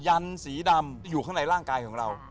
ยันสีดำอยู่ข้างในร่างกายของเรา